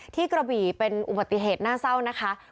กระบี่เป็นอุบัติเหตุน่าเศร้านะคะ